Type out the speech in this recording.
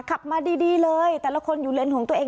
ขับมาดีเลยแต่ละคนอยู่เลนส์ของตัวเอง